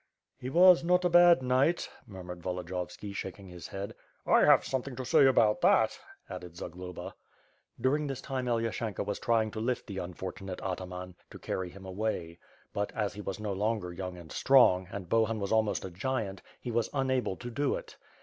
"He was not a bad knight," murmured Volodiyovski, shak ing his head. "I have something to say about that," added Zagloba. During this time Elyashenka was trying to lift the unfortu nate ataman, to carry him a\i'ay; but, as he was no longer young and strong, and Bohun was almost a giant, he was un able to do it.